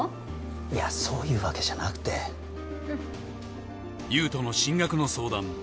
いやそういうわけじゃなくて優人の進学の相談